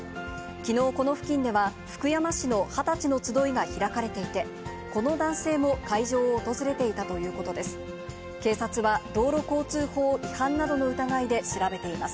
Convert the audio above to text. きのう、この付近では、福山市の二十歳の集いが開かれていて、この男性も会場を訪れていたということです。